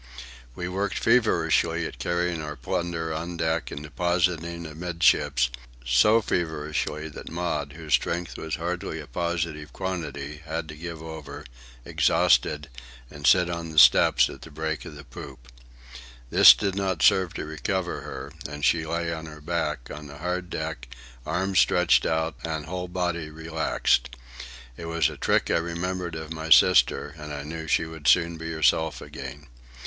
We worked feverishly at carrying our plunder on deck and depositing it amidships, so feverishly that Maud, whose strength was hardly a positive quantity, had to give over, exhausted, and sit on the steps at the break of the poop. This did not serve to recover her, and she lay on her back, on the hard deck, arms stretched out, and whole body relaxed. It was a trick I remembered of my sister, and I knew she would soon be herself again.